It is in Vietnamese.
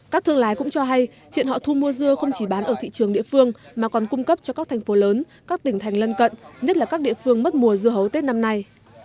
các thương lái cũng cho hay hiện họ thu mua dưa không chỉ bán ở thị trường địa phương mà còn cung cấp cho các thành phố lớn các tỉnh thành lân cận nhất là các địa phương mất mùa dưa hấu tết năm nay